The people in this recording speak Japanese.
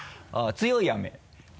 強い雨。